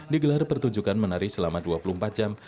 digelar pertunjukan menari selama dua puluh empat jam